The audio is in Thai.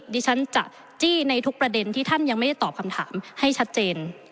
ดิฉันจะจี้ในทุกประเด็นที่ท่านยังไม่ได้ตอบคำถามให้ชัดเจน